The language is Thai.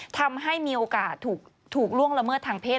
ทำให้มีโอกาสถูกล่วงละเมิดทางเพศ